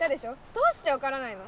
どうしてわからないの？